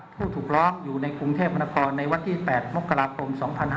ผู้ถูปร้องอยู่ในกรุงเทพฯมนาคตในวันที่๘โมกราคม